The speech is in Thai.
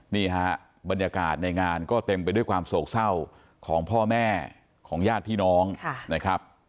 นี่ฮะบรรยากาศในงานก็เต็มไปด้วยความโศกเศร้าของพ่อแม่ของญาติพี่น้องนะครับ